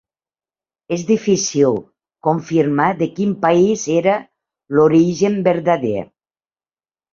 És difícil confirmar de quin país era l'origen verdader.